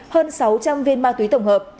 hơn sáu trăm linh viên ma túy tổng hợp